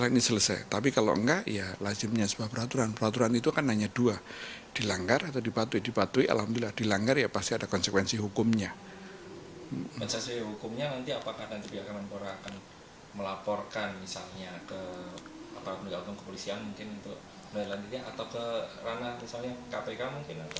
konsekuensi hukumnya nanti apakah nanti pihak menpora akan melaporkan misalnya ke aparat pendidikan kepolisian mungkin untuk menelan itu atau ke ranah misalnya kpk mungkin